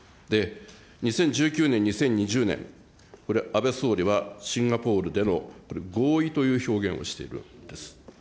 ２０１９年、２０２０年、これ、安倍総理はシンガポールでのこれ、合意という表現をしているんです。